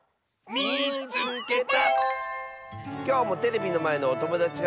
「みいつけた！」。